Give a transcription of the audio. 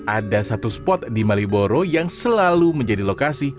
ada satu spot di malioboro yang selalu menjadi lokasi